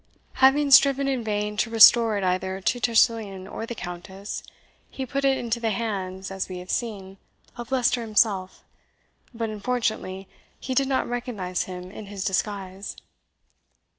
Having striven in vain to restore it either to Tressilian or the Countess, he put it into the hands, as we have seen, of Leicester himself, but unfortunately he did not recognize him in his disguise.